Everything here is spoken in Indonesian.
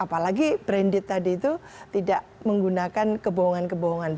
apalagi branded tadi itu tidak menggunakan kebohongan kebohongan